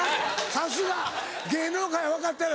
さすが！芸能界を分かってる。